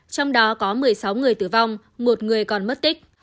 trong đó có một mươi sáu người tử vong một người còn mất tích